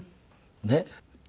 ねっ。